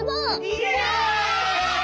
イエイ！